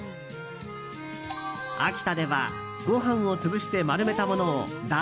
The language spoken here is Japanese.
秋田では、ご飯を潰して丸めたものをだ